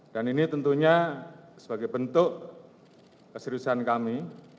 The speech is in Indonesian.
dan ini tentunya sebagai bentuk keseriusan kami